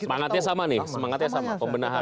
semangatnya sama nih semangatnya sama pembenahan